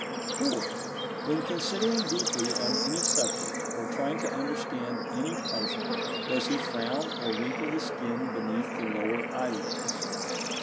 (4) When considering deeply on any subject, or trying to understand any puzzle, does he frown, or wrinkle the skin beneath the lower eyelids?